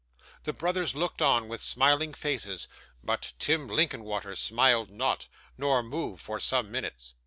The brothers looked on with smiling faces, but Tim Linkinwater smiled not, nor moved for some minutes.